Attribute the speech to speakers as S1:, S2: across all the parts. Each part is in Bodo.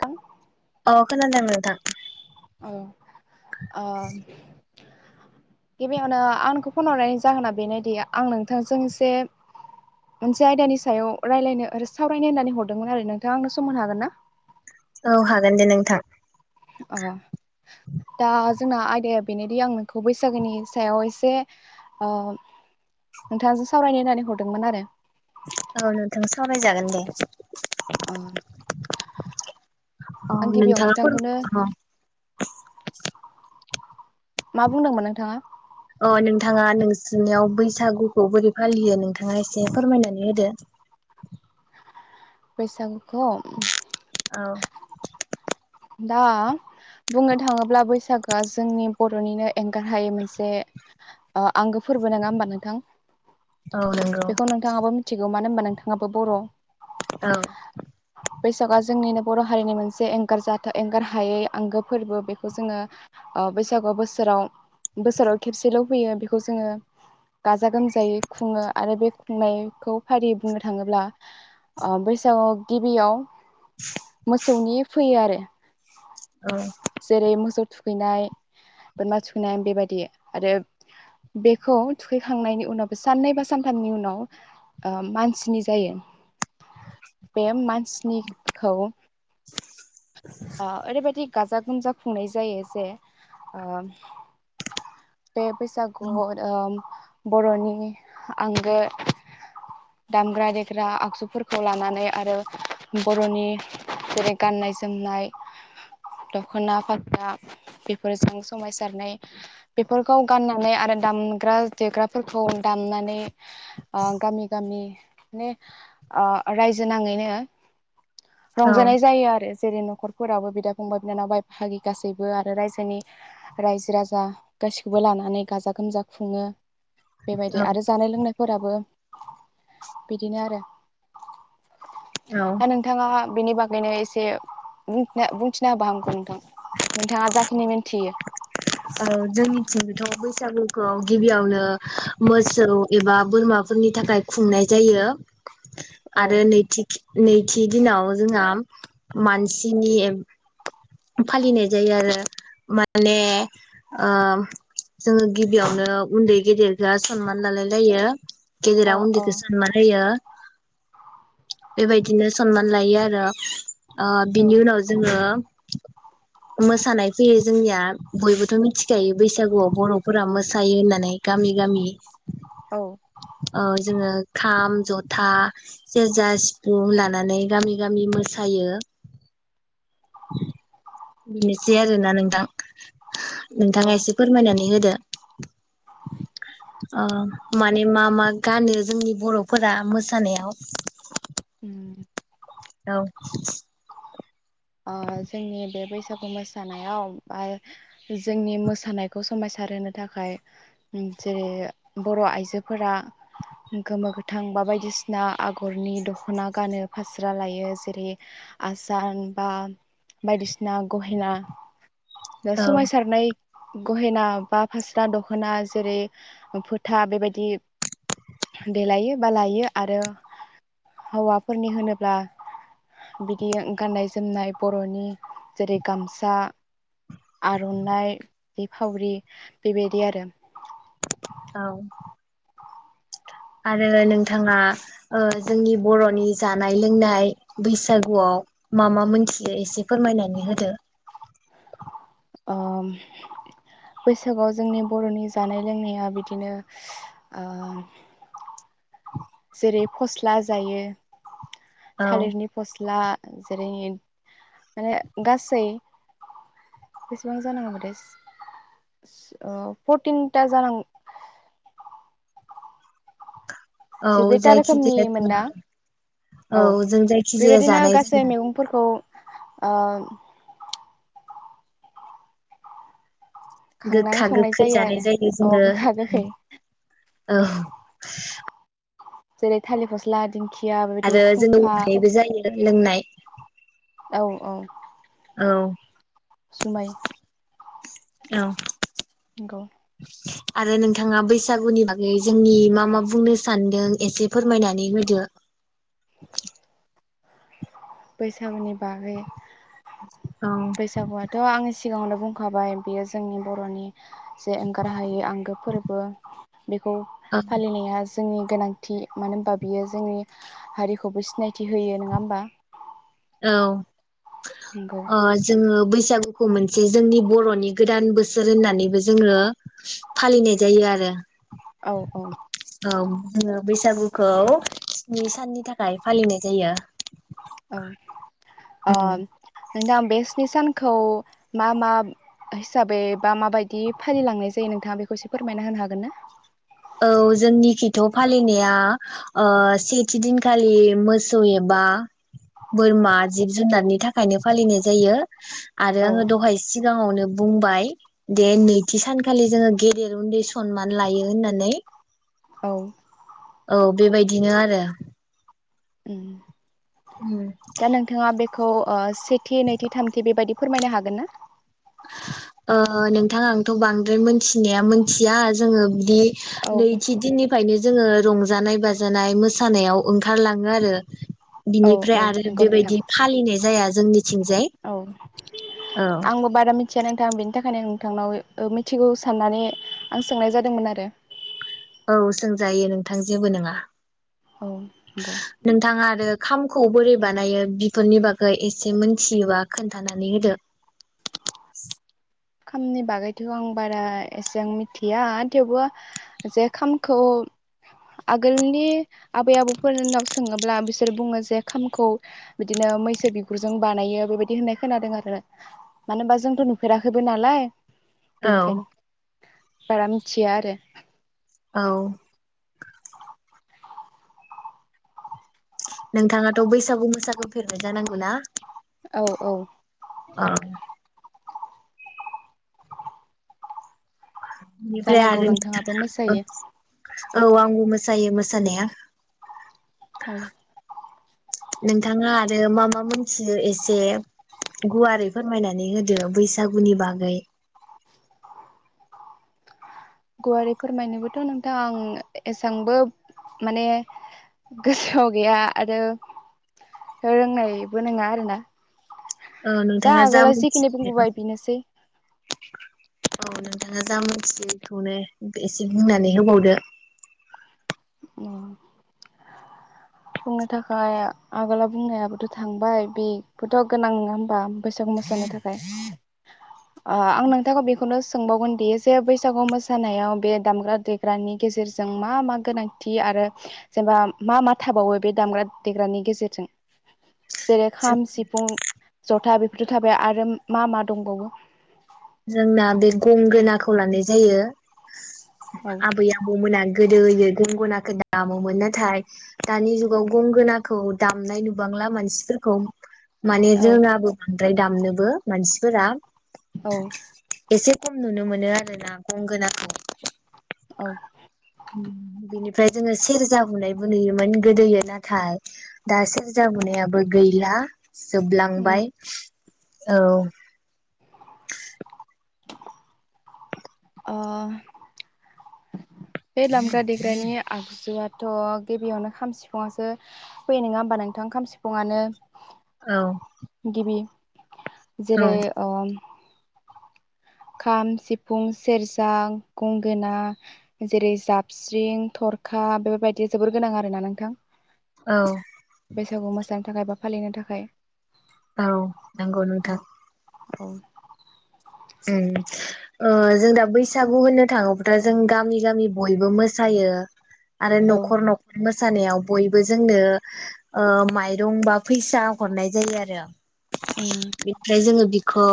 S1: खां
S2: अ खोनादों नोंथां।
S1: औ ओ गिबियावनो आंखौ फन हरनायनि जाहोना बेनोदि आं नोंथांजों एसे मोनसे आयदानि सायाव रायलायनो आरो सावरायनो होननानै हरदोंमोन आरो नोंथाङा आंनो समनो हागोन ना?
S2: औ हागोन दे नोंथां।
S1: अ दा जोंना आयदाया बेनोदि आं नोंखौ बैसागोनि सायाव एसे ओ नोंथांजों सावरायनो होननानै हरदोंमोन आरो
S2: औ नोंथां सावराय जागोन दे।
S1: अ
S2: औ
S1: आं गिबियाव
S2: नोंथां फोर
S1: नोंथांखौनो
S2: अ
S1: मा बुंदोंमोन नोंथाङा?
S2: अ नोंथाङा नोंसोरनियाव बैसागुखौ बोरै फालियो नोंथाङा एसे फोरमायनानै होदो।
S1: बैसागुखौ
S2: औ
S1: दा बुंनो थाङोब्ला बैसागोआ जोंनि बर'नि नों एंगारहायै मोनसे आंगो फोरबो नङा होमबा नोंथां।
S2: औ नंगौ
S1: बेखौ नोंथाङाबो मिथिगौ। मानो होनोमबा नोंथाङाबो बर'।
S2: औ
S1: बैसागुआ जोंनिनो बर'हारिनि मोनसे एंगारज एंगार हायै आंगो फोरबो बेखौ जोङो बैसागु बोसोराव बोसोराव खेबसेल फैयो बेखौ जोङो गाजा गोमजायै खुङो आरो बे खुंनायखौ फारियै बुंनो थाङोब्ला ओ बैसागआव गिबियाव मोसौनि फैयो आरो जेरै मोसौ थु थुखैनाय बोरमा थुखैनाय बेबायदि आरो बेखौ थुखैखांनायनि उनावबो साननै बा सानथामनि उनाव मानसिनि जायो। बे मानसिनिखौ। अ ओरैबादि बिदि गाजा गोमजा खुंनाय जायो जे ओ बे बैसागु ओम बर'नि आंगो दामग्रा देग्रा आगजुफोरखौ लानानै आरो बर'नि जेरै गाननाय जोम जोमनाय दखना फाथा बेफोरजों समायसारनाय बेफोरखौ गाननानै आरो दामग्रा देग्राफोरखौ दामनानै ओ गामि गामि ने ओ रायजो नाङैनो
S2: औ
S1: रंजानाय जायो आरो जेरै नखरफोरावो बिदा फंबाय बिनानाव बाय बाहागि गासैबो आरो रायजोनि रायजो राजा गासैखौबो लानानै गाजा गोमजा खुङो बेबायदि आरो जानाय लोंनायफोराबो बिदिनो आरो
S2: औ औ
S1: दा नोंथाङा बिनि बागैनो एसे बुंथिना बुंथिना होबा हामगौ नोंथां नोंथाङा जाखिनि मिन्थियो
S2: औ जोंनिथिं थ' बैसागुखौ गिबियावनो मोसौ एबा बोरमाफोरनि थाखाय खुंनाय जायो
S1: औ
S2: आरो नैथि नैथि दिनाव जोंहा मानसिनि एब फालिनाय जायो आरो माने ओ जोङो गिबियावनो उन्दै गेदेरजो सनमान लालायलायो गेदेरा
S1: अ अ
S2: उनदैखो सनमान होयो बेबायदिनो सनमान लायो आरो ओ
S1: औ
S2: बिनि उनाव जोङो मोसानाय फैयो जोंनिया बयबोथ' मिथिखायो बैसागुआव बर'फोरा मोसायो होननानै गामि गामि
S1: औ
S2: औ जोङो खाम जथा सेरजा सिफुं लानानै गामि गामि मोसायो । बिनोसै आरोना नोंथां
S1: औ
S2: नोंथाङा एसे फोरमायनानै नानै होदो ओ माने मा मा गानो जोंनि बर'फोरा मोसानायाव
S1: [unintelligible]
S2: औ
S1: ओ जोंनि बे बैसागु मोसानायाव बा जोंनि मोसानायखौ समायसार होनो थाखाय जेरै बर' आइजोफोरा गोमो गोथां बा बायदिसिना आगरनि दखना गानो फास्रा लायो जेरै आसान बा बायदिसिना गहेना जा
S2: औ
S1: समायसारनाय गहेना बा फास्रा दखोना जेरै फोथा बेबायदि देलायो बा लायो आरो हौवाफोरनि होनोब्ला बिदि गाननाय ज जोमनाय बर'नि जेरै गामसा आरनाइ बिफावरि बेबायदि आरो
S2: औ आरो नोंथाङा ओ जोंनि ओ बर'नि जानाय लोंनाय बैसागुआव मा मा मोनथियो एसे फोरमायनानै होदो
S1: ओम बैसागोआव जोंनि बरनि जानाय लोंनाया बिदिनो स ओ जेरै फस्ला जायो
S2: औ
S1: थालिरनि फस्ला जेरै माने गासै बेसेबां जानागौमोन्थाय ओ फरटिनता जानांग
S2: औ
S1: जिब्रैथा रोखोमनि
S2: जायखिजाया जोङो
S1: मोनना
S2: औ जों जायखि जाया
S1: बेबायदिनो
S2: जानाय
S1: गासै
S2: जायो
S1: मैगंफोरखौ ओ खांनानै
S2: गोखा
S1: संनाय
S2: गोखै
S1: जायो आरो
S2: जानाय जायो
S1: औ
S2: जोङो
S1: गोखा गोखै
S2: औ
S1: जेरै थालिर फस्ला दिंखि
S2: आरो जोङो उखायबो जायो लोंनाय
S1: औ औ
S2: औ [unintelligible]
S1: जुमाय
S2: औ
S1: नोंगौ
S2: आरो नोंथाङा बैसागुनि बागै जोंनि मा मा बुंनो सानदों एसे फोरमायनानै होदो
S1: बैसागुनि बागै
S2: औ
S1: बैसागुआथ‌ आं सि सिगाङावनो बुंखाबाय बियो जोंनि बर'नि जे एंगारहायै आंगो फोरबो बेखौ
S2: औ
S1: फालिनाया जोंनि गोनांथि मानो होनबा बियो जोंनि हारिखौबो सिनायथि होयो नोङा होमबा
S2: औ
S1: नंगौ
S2: अ जोङो बैसागुखौ मोनसे जोंनि बरनि गोदान बोसोर होननानैबो जोङो फालिनाय जायो आरो
S1: औ औ
S2: औ जोंओ बैसागुखौ स्नि साननि थाखाय फालिनाय जायो
S1: आम नोंथां बे स्नि सानखौ मा मा हिसाबै बा माबायदि फालिलांनाय जायो नोंथाङा बेखौ एसे फोरमायना होनो हागोन ना?
S2: औ जोंनि खिथ फालिनाया सेथि दिनखालि मोसौ एबा बोरमा जिब जुनारनि थाखायनो फालिनाय जायो।
S1: औ
S2: आरो‌ दहाय सिम सिगाङावनो बुंबाय दे नैथि सानखालि जोङो गेदेर उन्दै सनमान लायो होननानै। नै
S1: औ
S2: औ बेबायदिनो आरो
S1: उम
S2: उम
S1: दा नोंथाङा ओ अ सेथि नैथि थामथि बेबायदि फोरमायनो हागोन ना?
S2: नोंथां आंथ बांद्राय मोनथिनाया मोनथिया जोङो बि
S1: औ
S2: नैथि दिननिफ्रायनो जोङो रंजानाय बाजानाय मोसानायाव ओंखारलाङो आरो
S1: औ औ
S2: बिनिफ्राय आरो
S1: नंगौ नोंथां
S2: बेबायदि फालिनाय जाया जोंनिथिंजाय औ।
S1: थिया नोंथां बेनि थाखायनो नोंथांनाव ओ मिथिगौ साननानै आं सोंनाय जादोंमोन आरो।
S2: औ सोंजायो नोंथां जेबो नोङा।
S1: औ नंगौ
S2: नोंथाङा आरो खाम। खौ बोरै बानायो बिफोरनि बागै एसे मिथियोबा खोन्थानानै होदो।
S1: खामनि बागैथ' आं बारा एसां मिथिया थेवबो जे खामखौ आगोलनि आबै आबौफोरनाव सोङोब्ला बिसोरो बुङो जे खामखौ बिदिनो मैसो बिगुरजों बानायो बेबायदि होननाय खोनादों आरो मानो होनबा जोंथ' नुफेरा होबो नालाय
S2: औ
S1: बेनिखायनो। बारा मिथिया आरो।
S2: औ। नोंथाङाथ' बैसागु मोसागोफेरनाय जानांगौ ना?
S1: औ औ।
S2: औ बेनिफ्राय
S1: जानांगौ
S2: आरो
S1: नोंथाङाबो
S2: नोंथाङा,
S1: मोसायो
S2: औ आंबो मोस मोसायो मोसानाया।
S1: औ।
S2: नोंथाङा आरो मा मा मोनथियो एसे गुवारै फोरमायनानै होदो बैसागुनि बागै।
S1: गुवारै फोरमायनोबोथ' नोंथां आं एसेबांबो माने गोसोआव गैया आरो रोंनायबो नोङा आरोना।
S2: औ
S1: जा
S2: नोंथाङा
S1: आगोलाव जिखिनि
S2: मोनथियो
S1: बुंबोबाय बिनोसै।
S2: औ नोंथाङा जा मिथियो बेखौनो एसे बुंनानै होबावदो।
S1: अह, बुंनो थाखाय आगोलाव बुंनायाबोथ' थांबाय बेबोथ' गोनां नङा होमबा बैसागु मोसानो थाखाय? ओ आं नोंथांखौ बेखौनो सोंबावगोन दि जे बैसागु मोसानायाव बे दामग्रा देग्रानि गेजेरजों मा मा गोनां थि आरो जेनेबा मा मा थाबावो बे दामग्रा देग्रानि गेजेरजों? जेरै खाम सिफुं जथा बेफोर थाबाय आरो मा मा दंबावो?
S2: जोंना बे गंगोनाखौ लानाय जायो।
S1: औ
S2: आबै आबौ मोना गोदोयै गंगोनखौ दामोमोन नाथाय दानि जुगाव गंगोनाखौ दामनाय नुबांला मानसिफोरखौ माने
S1: औ
S2: जोंनाबो बांद्राय दामनो बो मानसिफोरा
S1: औ।
S2: एसे खम नुनो मोनो आरो ना गंगोनाखौ।
S1: औ।
S2: बिनिफ्राय जोङो सेरजा हुनायबो नुयोमोन गोदोयो नाथाय दा सेरजा हुनायाबो गैला।
S1: उम
S2: जोबलांबाय। औ।
S1: ओ, बे लामग्रा देग्रानि आगजुआथ' गिबियावनो खाम सिफुंसो फैनाय नङा होमबा नोंथां? खाम सिफुंआनो
S2: औ औ
S1: जेरै ओम खाम, सिफुं, सेरजा, गंगोना जेरै जाबस्रिं थरखा बेबायदि जोबोर गोनां आरोना नोंथां।
S2: औ
S1: बैसागु मोसानो थाखाय बा फालिनो थाखाय।
S2: औ नंगौ नोंथां।
S1: औ
S2: जों ओ जों दा बैसागु होननो थाङोब्ला जों गामि गामि बयबो मोसायो। आरो न'खर न'खर मो सानायाव बयबो जोंनो ओ माइरं बा फैसा हरनाय जायो आरो।
S1: उम
S2: बेनिफ्राय जोङो बि खौ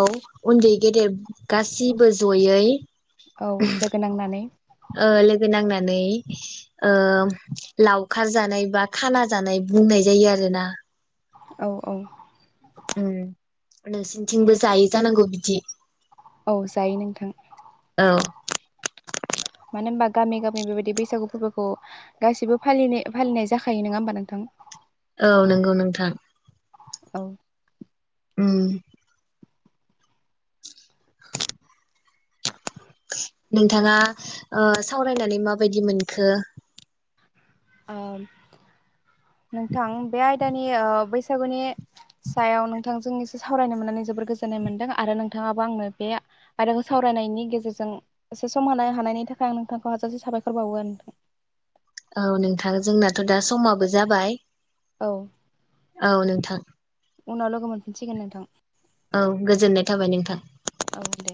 S2: उन्दै गेदेर गासिबो जयै
S1: औ लोगो नांनानै
S2: ओ लोगोनांनानै ओ लावखार जानाय बा खाना जानाय बुंनाय जायो आरोना
S1: औ औ
S2: उम नोंसिनिथिंबो जायो जानांगौ बिदि?
S1: औ जायो नोंथां।
S2: अ
S1: मानो होनबा गामि गामि बेबायदि बैसागु फोरबोखौ गासैबो फालि-फालिनाय जाखायो नङा होमबा नोंथां?
S2: औ नंगौ नोंथां।
S1: औ
S2: उम [unintelligible] नोंथाङा ओ सावरायनानै माबायदि मोनखो?
S1: ओ नोंथां बे आयदानि ओ बैसागुनि सायाव नोंथांजों एसे सावरायनो मोननानै जोबोर गोजोननाय मोनदों आरो नोंथाङाबो आंनो बे आयदाखौ सावरायनायनि गेजेरजों एसे सम होनो हानायनि थाखाय आं नोंथांखौ हाजासे साबायखर बावो नोंथां।
S2: औ नोंथां जोंनाथ' दा समाबो जाबाय
S1: औ
S2: औ नोंथां
S1: उनाव लोगो मोनफिनसिगोन नोंथां
S2: औ गोजोननाय थाबाय नोंथां।
S1: औ दे